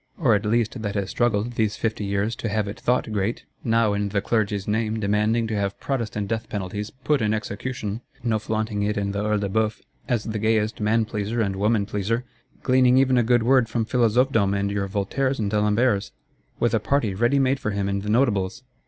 Or at least that has struggled, these fifty years, to have it thought great; now, in the Clergy's name, demanding to have Protestant death penalties "put in execution;" no flaunting it in the Œil de Bœuf, as the gayest man pleaser and woman pleaser; gleaning even a good word from Philosophedom and your Voltaires and D'Alemberts? With a party ready made for him in the Notables?